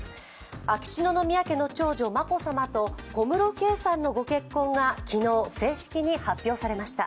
秋篠宮家の長女・眞子さまと小室圭さんのご結婚が昨日、正式に発表されました。